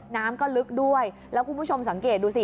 น้ำก็ลึกด้วยแล้วคุณผู้ชมสังเกตดูสิ